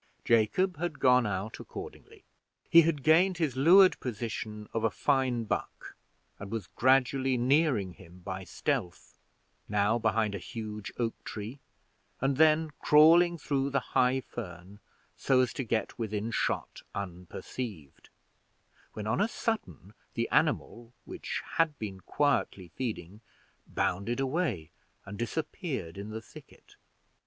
Jacob had gone out accordingly; he had gained his leeward position of a fine buck, and was gradually nearing him by stealth now behind a huge oak tree, and then crawling through the high fern, so as to get within shot unperceived, when on a sudden the animal, which had been quietly feeding, bounded away and disappeared in the thicket.